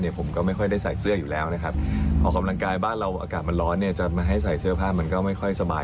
จริงก็ถอดเสื้อกำลังกายนั่นแหละละคะ